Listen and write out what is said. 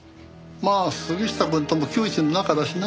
まあ杉下くんとも旧知の仲だしな。